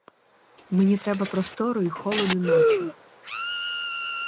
Мені треба простору і холоду ночі.